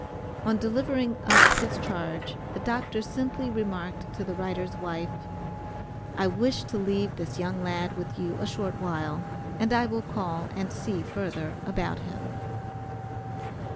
On delivering up his charge, the Dr. simply remarked to the writer's wife, "I wish to leave this young lad with you a short while, and I will call and see further about him."